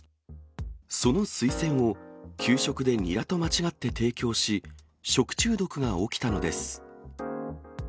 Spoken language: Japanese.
そのスイセンを給食でニラと間違って提供し、食中毒が起きたのです。